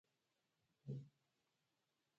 • غونډۍ د خاورو د ساتنې لپاره مهمې دي.